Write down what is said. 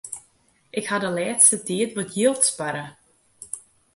Ik haw de lêste tiid wat jild sparre.